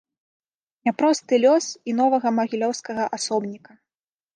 Няпросты лёс і новага магілёўскага асобніка.